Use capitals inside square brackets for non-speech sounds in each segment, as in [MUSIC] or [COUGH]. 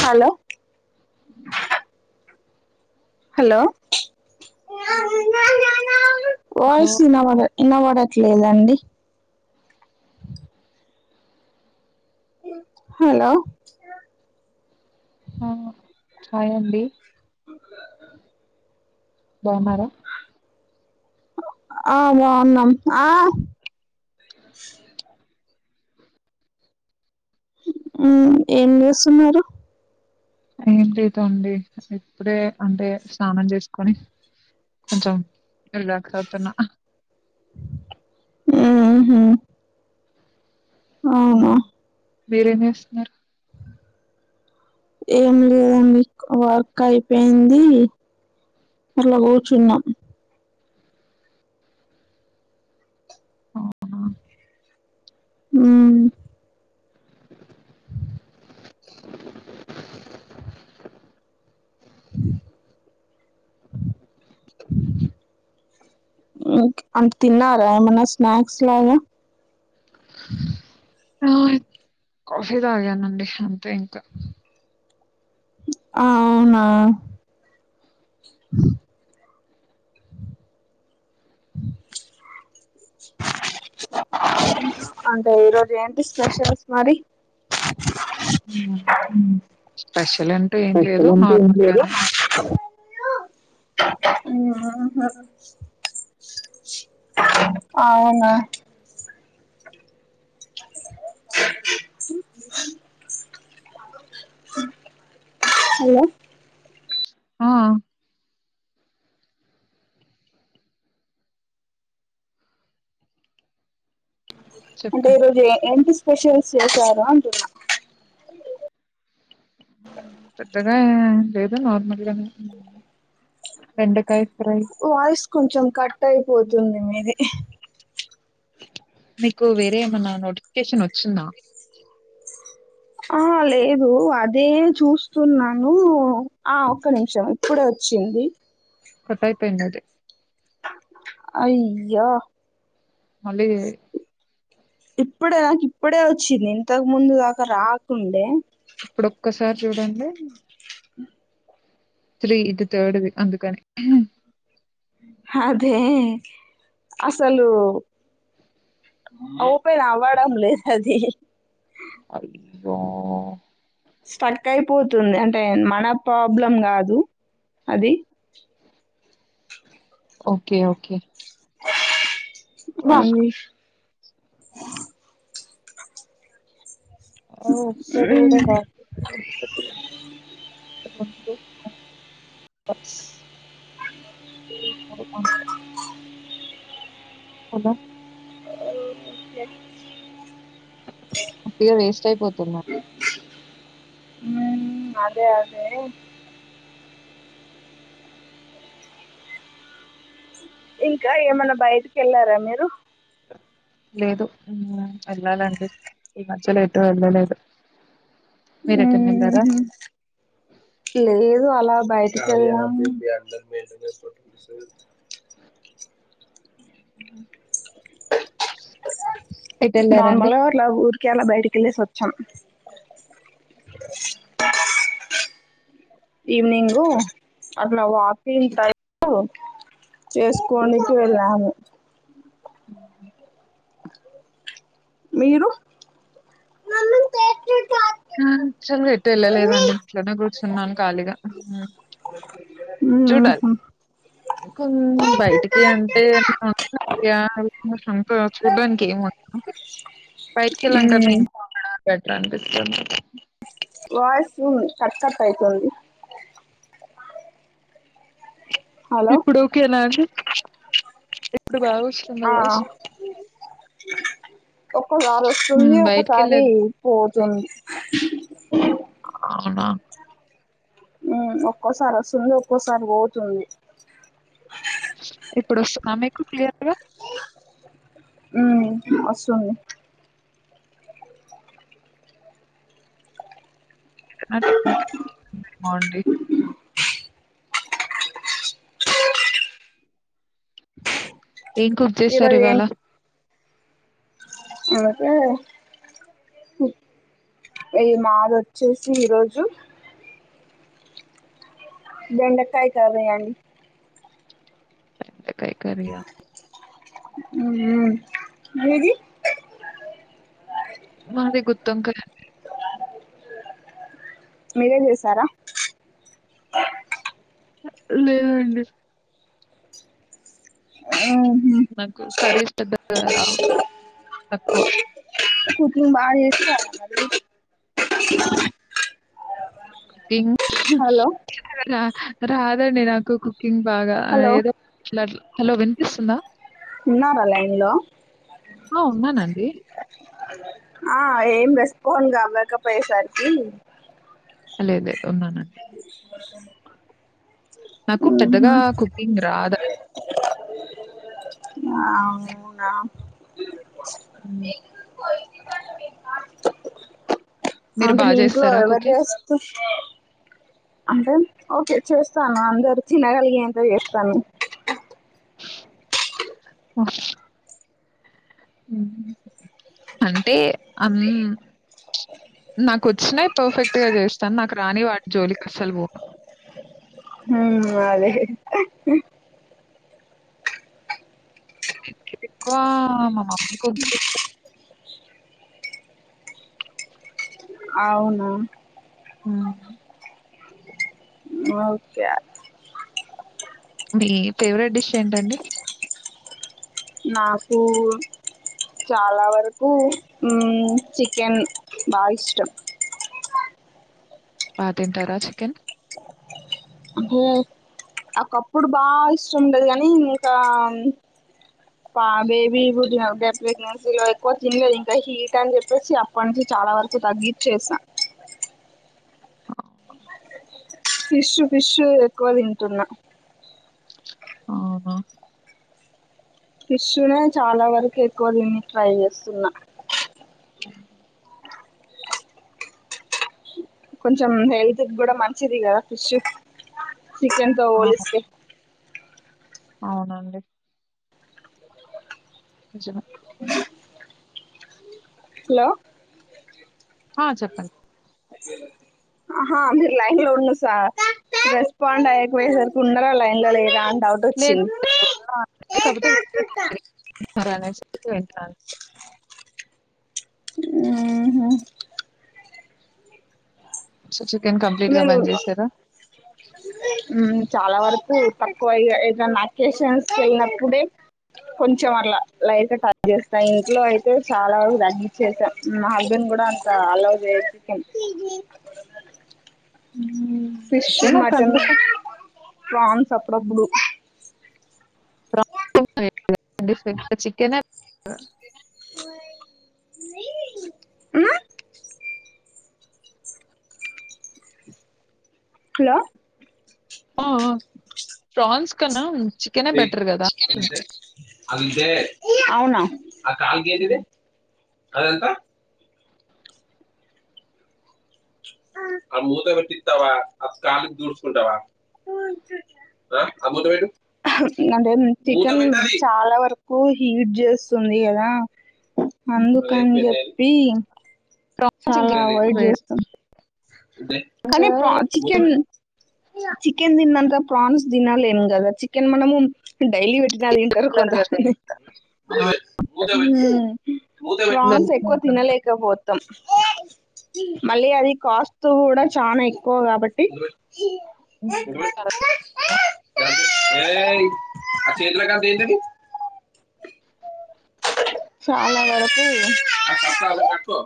Hello hello నాన్న న్నా hello voice ఇన ఇనబడట్లేదండి [INAUDIBLE] హ్మ్ హలో హా హాయండి బావున్నారా ఆ బాన్నం ఆ ఉమ్ ఏం చేస్తున్నారు ఏం లేదు అండీ ఇప్పుడే అంటే స్నానం చేసుకొని కొంచెం రిలాక్స్ అవుతున్నా ఆహ్ ఉంహు ఆ ఔనా ఉమ్, మీరేం చేస్తున్నారు ఏం లేదండి వర్క్ అయిపోయింది ఇట్లా కూర్చున్నా అవునా హ్మ్మ్ ఓకే అంటే తిన్నారా ఏమన్నా స్నాక్స్ లాగా ఆ కాఫీ తాగానండి అంతే ఇంకా ఆ అవునా అంటే ఈ రోజు ఏంటి స్పెషల్స్ మరి ఉమ్ స్పెషల్ అంటే ఏం లేదు నార్మల్గానే హలో అవునా [INAUDIBLE] [UNINTELLIGIBLE] హలో ఆ అంటే ఈ చెప్పండి రోజు ఎంటి స్పెషల్ స్పెషల్స్ చేశారా అంటున్నా హ్మ్మ్ పెద్దగా లేదు నార్మల్గానే బెండకాయ ఫ్రై వాయిస్ కొంచెం కట్ అయిపోతుంది మీది హి మీకు వేరే ఏమన్నా నోటిఫికేషన్ వచ్చిందా ఆహా లేదు అదే చూస్తున్నాను ఆ ఒక్క నిమిషం ఇప్పుడే వచ్చింది కట్ అయిపొయింది అది అయ్యా మళ్ళీ ఇప్పుడే నాకు ఇప్పుడే వచ్చింది ఇంతకు ముందు దాకా రాకుండే ఇప్పుడు ఒక్కసారి చూడండి త్రీ ఇది థర్డ్ది అందుకని. అదే అసలు ఓపన్ అవ్వడం లేదు అది. అయ్యో స్టక్ అయిపోతుంది అంటే మన ప్రాబ్లం కాదు అది ఓకే ఓకే అ వా ఐ విష్ ఆ ఒకట్టి కూడా మ్మ్. [UNINTELLIGIBLE] [UNINTELLIGIBLE] అంతే అదా కే పోయ్ వేస్ట్ అయిపో తిన్న మ్మ్ అదే ఆచారం ఇంకా ఏమన్నా బయటకి ఎళ్లారా మీరు లేదు హ్మ్మ్ వెళ్ళాలండి ఈ మధ్యల ఎటు ఎళ్ళలేదు. హ్మ్మ్ లేదు అలా బయ వెళ్ళాం అ నార్మల్ గా అట్లా ఊరికే అలా బయటకెళ్లేసి వస్ చెం ఈవినింగ్ అట్లా వాకింగ్ టైపూ చేసుకోనికి వెళ్ళాము. మీరు హ్మ్మ్ [UNINTELLIGIBLE] ఎటు ఎళ్ళలేదండి ఇంట్లోనే కూర్చున్నాను ఖాళీగా మ్మ్ చూడాలి కొ బయటికి అంటే ఇగ ఆల్మోస్ట్ అన్ చూడ్డానికి ఏం బయటికి వెళ్ళాం కదా మ్మ్ బెటర్ అనిపిస్తుంది వాయిసు కట్ కట్ ఐపోయింది ఇప్పుడు ఓకేనా అండి ఎప్పుడు బాగొస్తుందా ఆ వాయిస్ ఒక్కసారి వస్తుంది హ్మ్, బయటికి ఒకసారి వెళ్ళేది పో తం అవునా హ్మ్మ్ ఒక్కోసారి వస్తుంది ఒక్కోసారి పోతుంది ఇప్పుడు వస్తుంద మీకు క్లియర్గా హ్మ్మ్ వస్తుంది ఏదన్నా టెక్నిల్ ఇష్యూ ఉందేమో అండీ ఏం కుర్ చేసరు ఈరోజు ఏం ఇవాళ ఏ ఉ ఇగ మాది వచ్చేసి ఈరోజు బెండకాయ కరీ అండీ బెండకాయ్ కర్రీ ఆ ఊ ఊ మీది మాది గుతొంకాయ మీరే చేసారా లేదండి ఆ నాకు కరీస్ పెద్దగా రావు తక్కువ కుకింగ్ బానే చేస్తారా మరి ఆ పింగ్ [UNINTELLIGIBLE] రాద్ అదండి నాకొకు పింగ్ బాగా అ హలో ఏదో అట్లట్ల హలో వినిపిస్తుందా ఉన్నాక లైన్లో ఆ ఉన్నానండి ఆ ఏం రెస్పాన్ కాలేకపోయేసరికి లేద్ లేద్ ఉందనట్టు మొలకేండది ప నాకు పెద్దగా కుకింగ్ రాదాం అవునా మీరు అంటే బా మీ ఇంట్లో చేస్తారా ఎవరు కుకింగ్? చేస్కొచ్ అంటే ఓకే చేస్తాను అందరు తినగలిగేంత చేస్తాను ఉషు ఊ అంటే అం నాకుచ్చినయ్ పర్ఫెక్ట్ గా చేస్తాను నాకు రాని వాటి జోలికి అసలు ఓను ఊ అదే కో ఆ మా మమ్మీ [UNINTELLIGIBLE] అవునా ఊ మోతె మీ ఫేవరెట్ డిష్ ఏంటండి నాకు చాలా వరకు చికెన్ బాగా ఇష్టం ఆ తింటారా చికెన్ అంటే ఒకప్పుడు బాగా ఇష్టం ఉండది కానీ ఇంకా ప బేబీ పుట్టిన బేబీ ప్రెగ్నెన్సీలో ఎక్కువ తినలేదు ఇంకా హీట్ అని చెప్పేసి అప్పటి నుంచి చాలా వరకు తగ్గించేసా ఫిష్ ఫిషు ఎక్కువ తింటున్నా అవునా ఫిష్ నే చాలా వరకు ఎక్కువ దిని ట్రై చేస్తున్నా ఆ కొంచెం హెల్త్ కూడా మంచిది కదా ఫిష్ చికెన్ తో పోలిస్తే అవును అండి వొచనా హా హలో ఆ చెప్పండి ఆహా మీరు లైన్ లో ఉండు సా రెస్పాండ్ అయిపోయేసరికి ఉన్నారా లైన్ లో లేదా అ డౌట్ లేదు వచ్చింది లేదు, ఉన్నా అంటే, వెంటారు ఆహా సుసు లేదు యూ చాలా వరకు తక్కువై ఏదన్నా అకేషన్స్ కి వెళ్ళినప్పుడే కొంచెం అట్ల లైట్ టచ్ చేస్తా ఇంట్లో అయితే చాలా వరకు తగ్గించేసాం మా హస్బెండ్ కూడా అంత అల్లో చే చికెన్ హ్మ్. ఫిష్ చికెన్ మటన్ ఒకందుకు ప్రాన్స్ అప్పుడప్పుడు [UNINTELLIGIBLE] చికెన్ యూ హలో ఆ ఆ ప్రాన్స్ కన్నా చికెనే బెటర్ కదా అంటే అంటే అవునా ఆ కాాలకి ఏదది అ ఎంత హా అంటే చికెన్ చాలా వరకు హీట్ చేస్తుంది కదా అందుకని చెప్పి ప్రాన్స్ చాలా ఇంకెక్కువ అవాయిడ్ చేస్తాం వేయడానికి ప్రాన్స్ తిన్నలేము కదా చికెన్ మనము డైలీ పెట్టిన తింటారు గా కొంతమంది తింటాం. ఆ, యూ ప్రాన్స్ గా ఎక్కువ కదా. తినలేక పోతాం మళ్ళీ అది కాస్ట్ కూడా చానా ఎక్కువ కాబట్టి ఉ చాలా ఎక్కువ ఏ ఆ చేతులోకయిందడి చాలా వరకు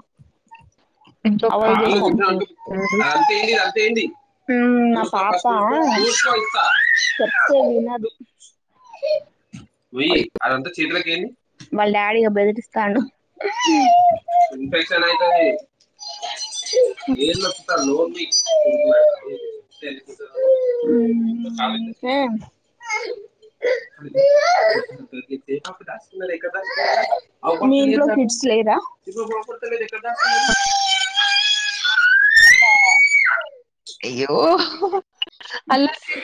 ఇంట్లో అవ్వ చేస్తా పనులు లేదు. యూ అప్ పాప చెప్తే వినదు అయ్యో. మల్ల డాడీ బెల్ట్ ఇస్తాండు యూ మీ ఇంట్లో కిడ్స్ లేరా అయ్యో ఉహు అల్లరి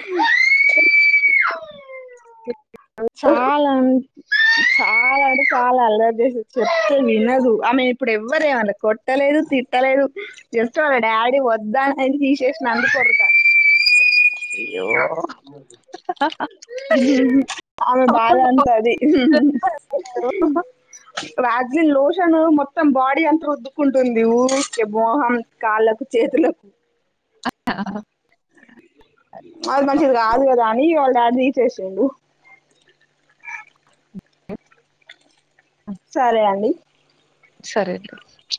చాలా అం చాలా అంటే చాలా అల్లరీ చేస్తదీ చెప్తే వినదు ఆమె ఇప్పుడు ఎవ్వరేమన్నా కొట్టలేదు తిట్టలేదు జస్ట్ వాళ్ళ డాడీ వద్దాన అని తీసేసిన అందుకు వర్లుతంది అయ్యో ఆమె బాధ అంత అవును. అది వ్యాజ్లిన్ లోషన్ మొత్తం బాడీ అంత రద్దుకుంటుంది వూరికే మోహం కాళ్ళకు చేతులకు అది మళ్ళీ చిది కాదు కదా అని వాళ్ళ డాడీ తీసేసిండు సరే అండి సరే అండి